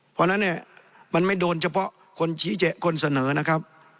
เพราะฉะนั้นเนี่ยมันไม่โดนเฉพาะคนชี้แจกคนเสนอนะครับ